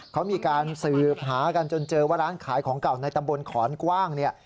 เขามีการสืบหากันจนเจอว่าร้านขายของเก่าในตำบลขอนกว้างเนี่ย